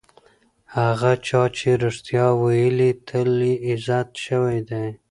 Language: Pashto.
هغه چا چې رښتیا ویلي، تل یې عزت شوی دی.